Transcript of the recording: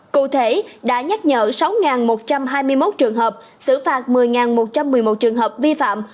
cụ thể đã nhắc nhở sáu một trăm hai mươi một trường hợp xử phạt một mươi một trăm một mươi một trường hợp vi phạm